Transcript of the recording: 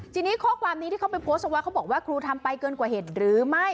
ทีนี้ข้อความนี้ที่เขาไปโพสต์เอาไว้เขาบอกว่าครูทำไปเกินกว่าเหตุหรือไม่